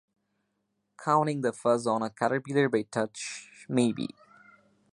Counting the fuzz on a caterpillar by touch, maybe.